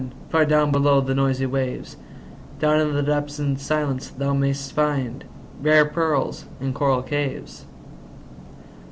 far down below the noisy waves, Down in the depths and silence thou mayst find Rare pearls and coral caves.